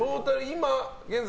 今現在。